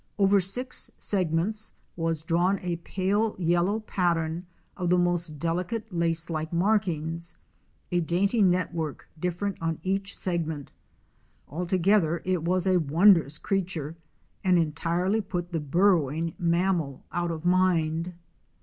Over six segments was drawn a pale yellow pattern of the most delicate lace like markings, a dainty network different on each segment. Altogether it was a wondrous creature and entirely put the burrowing mammal out of mind.